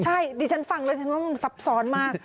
ใช่ดิฉันฟังแล้วฉันว่ามันซับซ้อนมาก